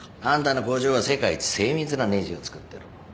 あんたの工場は世界一精密なねじを作ってる。